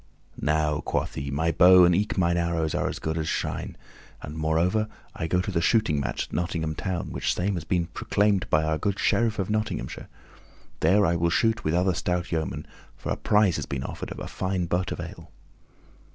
"Now," quoth he, "my bow and eke mine arrows are as good as shine; and moreover, I go to the shooting match at Nottingham Town, which same has been proclaimed by our good Sheriff of Nottinghamshire; there I will shoot with other stout yeomen, for a prize has been offered of a fine butt of ale."